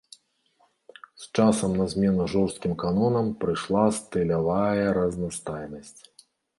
З часам на змену жорсткім канонам прыйшла стылявая разнастайнасць.